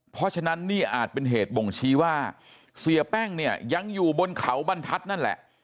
เพราะฉะนั้นนี่อาจเป็นเหตุบ่งชี้ว่าเสียแป้งเนี่ยยังอยู่บนเขาบรรทัศน์นั่นแหละ